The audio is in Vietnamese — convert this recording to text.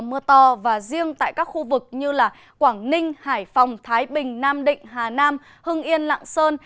mưa to và riêng tại các khu vực như quảng ninh hải phòng thái bình nam định hà nam hưng yên lạng sơn